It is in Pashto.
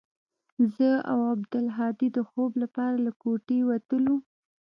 زه او عبدالهادي د خوب لپاره له كوټې وتلو.